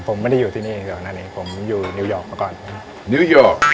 ผมไม่ได้อยู่ที่นี่ก่อนหน้านี้ผมอยู่นิวยอร์กมาก่อนนิวยอร์ก